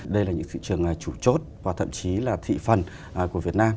đây là những thị trường chủ chốt và thậm chí là thị phần của việt nam